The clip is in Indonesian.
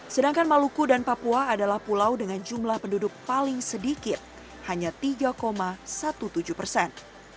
sedangkan maluku dan papua adalah pulau dengan jumlah penduduk paling sedikit hanya tiga tujuh belas persen